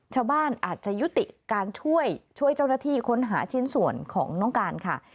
ชาวบ้านอาจจะยุติการช่วยช่วยเจ้าหน้าที่ค้นหาชิ้นส่วนของน้องการค่ะ